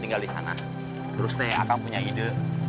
tinggal disana terus teh akang punya ide